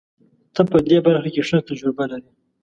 ته په دې برخه کې ښه تجربه لرې.